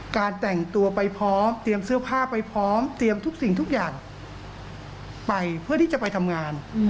แต่งตัวไปพร้อมเตรียมเสื้อผ้าไปพร้อมเตรียมทุกสิ่งทุกอย่างไปเพื่อที่จะไปทำงาน